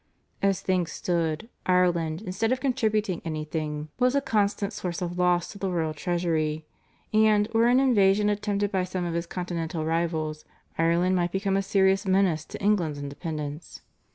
As things stood, Ireland instead of contributing anything was a constant source of loss to the royal treasury, and, were an invasion attempted by some of his Continental rivals, Ireland might become a serious menace to England's independence.